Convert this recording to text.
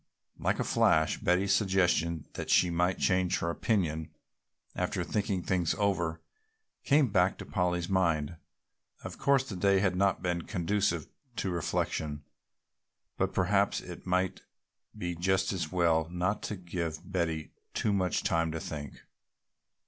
Like a flash Betty's suggestion that she might change her opinion after thinking things over came back to Polly's mind. Of course the day had not been conducive to reflection, but perhaps it might be just as well not to give Betty too much time to think.